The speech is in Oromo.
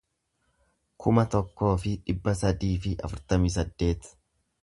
kuma tokkoo fi dhibba sadii fi afurtamii saddeet